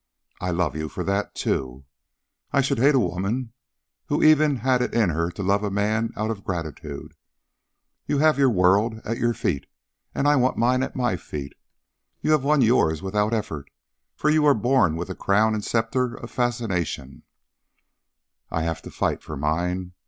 I love you for that too. I should hate a woman who even had it in her to love a man out of gratitude. You have your world at your feet, and I want mine at my feet. You have won yours without effort, for you were born with the crown and sceptre of fascination, I have to fight for mine.